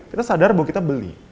kita sadar bahwa kita beli